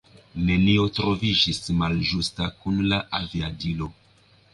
Nenio troviĝis malĝusta kun la aviadilo.